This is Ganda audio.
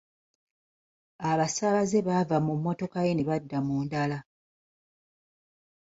Abasaabaze baava mu mmotoka ye ne badda mu ndala.